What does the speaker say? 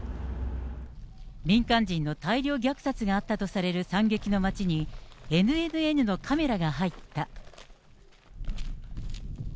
民間人の大量虐殺があったとされる惨劇の街に、ＮＮＮのカメラが入った。